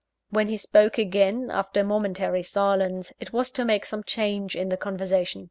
When he spoke again, after a momentary silence, it was to make some change in the conversation.